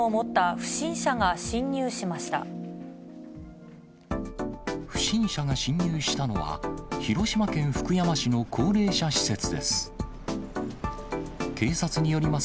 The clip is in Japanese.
不審者が侵入したのは、広島県福山市の高齢者施設です。